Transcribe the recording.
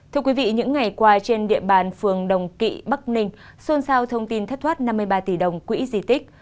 thưa quý vị những ngày qua trên địa bàn phường đồng kỵ bắc ninh xôn xao thông tin thất thoát năm mươi ba tỷ đồng quỹ di tích